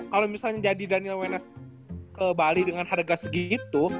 kalau misalnya jadi daniel wenas ke bali dengan harga segitu